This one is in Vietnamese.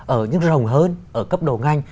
ở những rồng hơn ở cấp độ ngành